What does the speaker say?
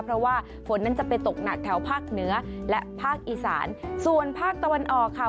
เพราะว่าฝนนั้นจะไปตกหนักแถวภาคเหนือและภาคอีสานส่วนภาคตะวันออกค่ะ